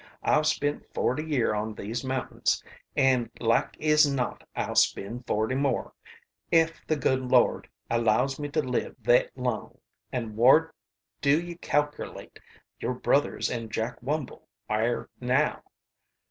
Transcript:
I've spent forty year on these mountains, an' like ez not I'll spend forty more, ef the good Lord allows me to live thet long. An' whar do ye calkerlate your brothers and Jack Wumble air now?"